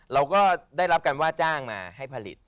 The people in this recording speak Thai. เราก็ได้รับการว่าจ้างมาให้ผลิต